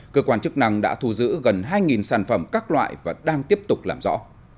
cơ quan chức năng đã thu giữ gần hai sản phẩm các loại và đang tiếp tục làm rõ